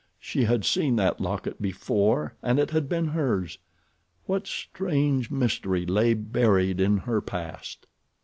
She had seen that locket before and it had been hers. What strange mystery lay buried in her past?